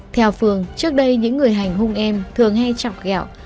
theo phương trước đây những người hành hung em thường hay chọc gẹo